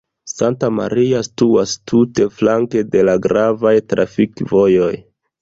Santa Maria situas tute flanke de la gravaj trafikvojoj.